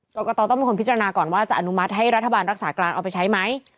กรกตต้องเป็นคนพิจารณาก่อนว่าจะอนุมัติให้รัฐบาลรักษาการเอาไปใช้ไหม